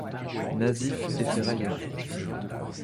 Nazif est ferrailleur.